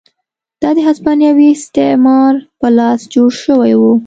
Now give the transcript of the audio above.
دا د هسپانوي استعمار په لاس جوړ شوي وو.